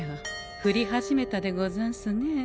降り始めたでござんすねえ。